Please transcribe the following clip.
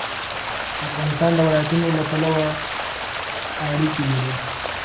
افغانستان د ولایتونو له پلوه اړیکې لري.